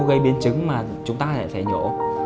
gây biến chứng mà chúng ta lại phải nhổ